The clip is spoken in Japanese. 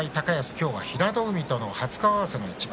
今日は平戸海との初顔合わせの一番。